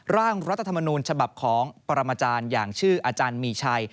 ร่างรัฐธรรมนูญฉบับของปรมาจารย์อย่างชื่ออาจารย์มีชัย